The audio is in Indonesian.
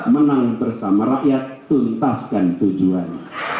menang bersama rakyat tuntaskan tujuan